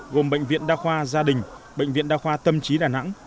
gồm bệnh viện đa khoa gia đình bệnh viện đa khoa tâm trí đà nẵng